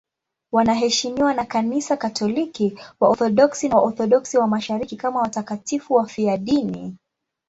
Wanaheshimiwa na Kanisa Katoliki, Waorthodoksi na Waorthodoksi wa Mashariki kama watakatifu wafiadini.